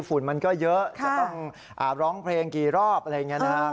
ฝุ่นมันก็เยอะจะต้องร้องเพลงกี่รอบอะไรอย่างนี้นะครับ